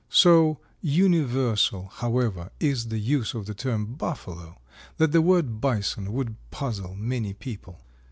So universal, however, is the use of the term Buffalo that the word Bison would puzzle many people.